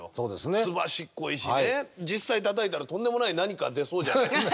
すばしっこいしね実際たたいたらとんでもない何か出そうじゃないですか。